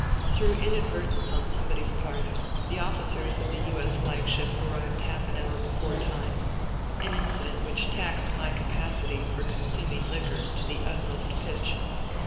Through inadvertence on somebody's part, the ofiicers of the U.S. Flagship arrived half an hour Ijefore time — an incident which taxed my capacity for consuming liquor to the utmost pitch.